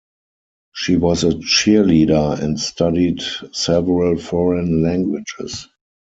She was a cheerleader and studied several foreign languages.